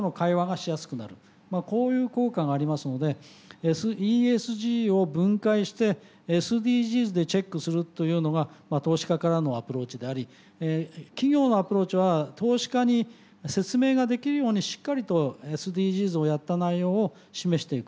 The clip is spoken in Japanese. こういう効果がありますのでＥＳＧを分解してＳＤＧｓでチェックするというのが投資家からのアプローチであり企業のアプローチは投資家に説明ができるようにしっかりとＳＤＧｓをやった内容を示していく。